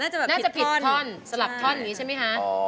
น่าจะผิดท่อนสลับท่อนอย่างนี้ใช่ไหมคะ